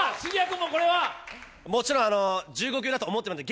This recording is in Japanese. もちろん１５球だと思ってました、